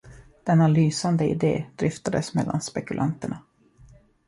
Denna lysande idé dryftades mellan spekulanterna.